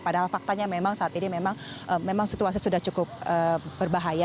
padahal faktanya memang saat ini memang situasi sudah cukup berbahaya